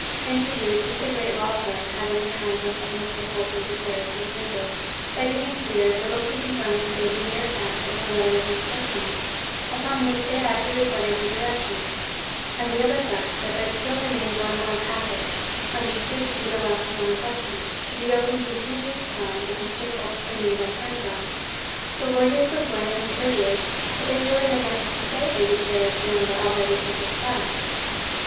Interviews with the great law firm having the handling of Mr. Fulton's affairs were printed, but even here little could be learned save the mere fact of the letter of instructions, upon which they had acted according to directions, and the other fact that there still remained one more packet—understood to be the last will and testament—to be opened in two years' time if Mr. Fulton remained unheard from. The lawyers were bland and courteous, but they really had nothing to say, they declared, beyond the already published facts.